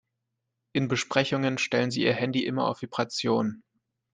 In Besprechungen stellt sie ihr Handy immer auf Vibration.